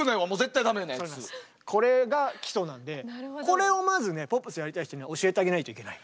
これが基礎なんでこれをまずねポップスやりたい人には教えてあげないといけない。